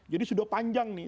jadi sudah panjang nih